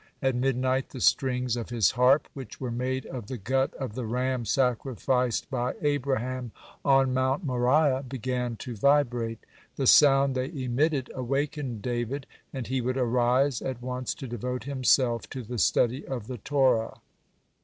(80) At midnight the strings of his harp, (81) which were made of the gut of the ram sacrificed by Abraham on Mount Moriah, (82) began to vibrate. The sound they emitted awakened David, and he would arise at once to devote himself to the study of the Torah.